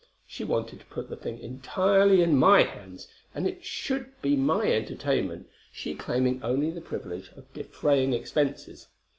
She wanted to put the thing entirely in my hands, and it should be my entertainment, she claiming only the privilege of defraying expenses.